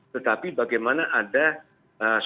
tetapi bagaimana ada sebuah kebijakan nasional